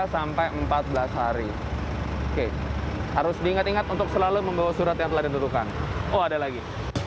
sampai empat belas hari oke harus diingat ingat untuk selalu membawa surat yang telah ditentukan oh ada lagi